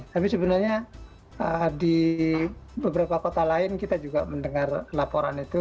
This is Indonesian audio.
tapi sebenarnya di beberapa kota lain kita juga mendengar laporan itu